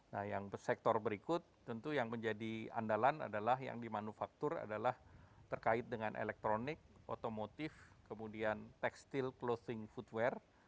nah yang sektor berikut tentu yang menjadi andalan adalah yang dimanufaktur adalah terkait dengan elektronik otomotif kemudian tekstil closing foodware